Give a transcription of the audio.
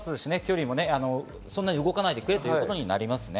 そんなに動かないでくれということになりますね。